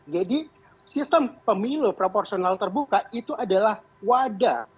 jadi sistem pemilu proporsional terbuka itu adalah wadah